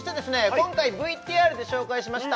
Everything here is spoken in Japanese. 今回ＶＴＲで紹介しました